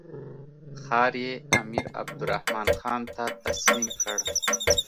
ښار یې امیر عبدالرحمن خان ته تسلیم کړ.